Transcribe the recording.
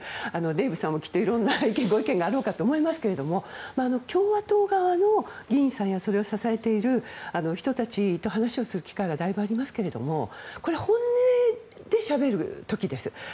デーブさんも、きっといろんなご意見があろうかと思いますが共和党側の議員さんやそれを支えている人たちと話をする機会がだいぶありますけれどもこれは本音でしゃべる時です。